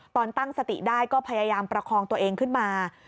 ตอนตั้งสติได้ก็พยายามประคองตัวเองขึ้นมา